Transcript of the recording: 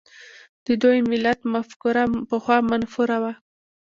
د دولت–ملت مفکوره پخوا منفوره وه.